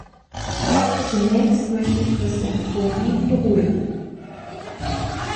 Zunächst möchte ich Präsident Prodi beruhigen.